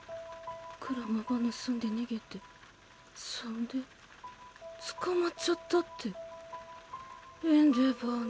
車ば盗んで逃げてそんで捕まっちゃったってエンデヴァーに。